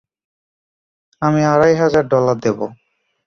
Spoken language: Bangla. আমি আড়াই হাজার ডলার দেব।